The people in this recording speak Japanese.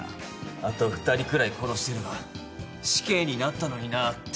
あと２人くらい殺していれば死刑になったのになって。